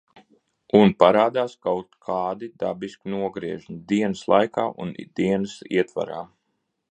Un parādās kaut kādi dabiski nogriežņi dienas laikā un dienas ietvarā.